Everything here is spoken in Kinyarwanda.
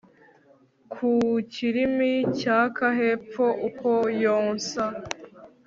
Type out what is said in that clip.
Ku kirimi cyaka hepfo uko yonsa